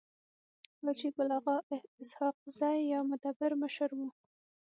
حاجي ګل اغا اسحق زی يو مدبر مشر وو.